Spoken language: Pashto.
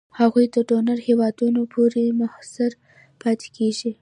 هغوی د ډونر هېوادونو پورې منحصر پاتې کیږي.